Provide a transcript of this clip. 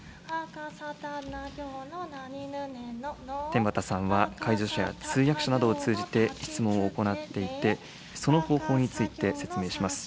天畠さんは、介助者や通訳者などを通じて、質問を行っていて、その方法について説明します。